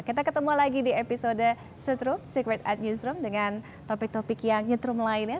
kita ketemu lagi di episode setruk secret at newsroom dengan topik topik yang nyetrum lainnya